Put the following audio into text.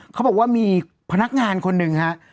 เขาบอกว่ามีพนักงานคนหนึ่งฮะ